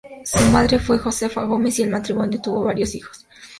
Su madre fue Josefa Gómez y el matrimonio tuvo varios hijos.